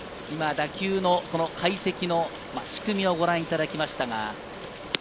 打球の解析の仕組みをご覧いただきました。